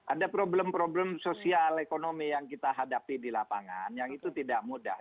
ada problem problem sosial ekonomi yang kita hadapi di lapangan yang itu tidak mudah